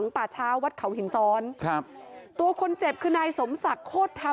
ป่าเช้าวัดเขาหินซ้อนครับตัวคนเจ็บคือนายสมศักดิ์โคตรธรรม